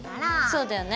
そうだよね。